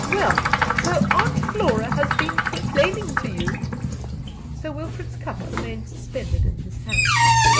"Well, so Aunt Flora has been complaining to you?" Sir Wilfrid's cup remained suspended in his hand.